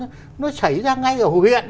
chứ bây giờ nó xảy ra ngay ở hồ chí minh